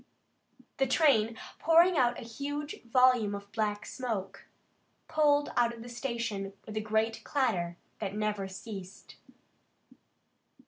The train, pouring out a huge volume of black smoke, pulled out of the station with a great clatter that never ceased.